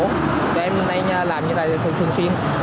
các em ở đây làm như thế này thường xuyên